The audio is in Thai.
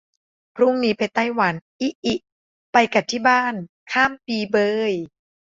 พรุ่งนี้ไปไต้หวัน อิอิ ไปกะที่บ้าน ข้ามปีเบย